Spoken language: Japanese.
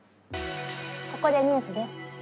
ここでニュースです。